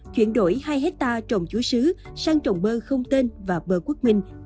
chuyển đổi hai hectare trồng chúa sứ sang trồng bơ không tên và bơ quốc minh